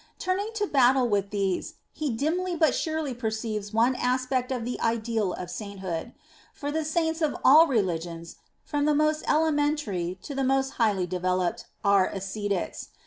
Turning to battle with these, he dimly but surely perceives one aspect of the ideal of sainthood. For the Saints of all religions, from the most elementary to the most highly developed, are ascetics.